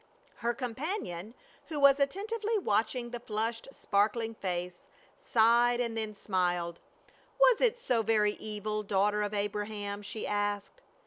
Her companion, who was attentively watching the flushed sparkling face, sighed and then smiled. "Was it so very evil, daughter of Abraham?" she asked.